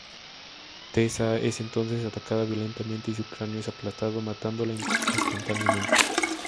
Tessa es entonces atacada violentamente y su cráneo es aplastado, matándola instantáneamente.